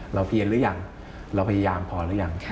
เพียนหรือยังเราพยายามพอหรือยัง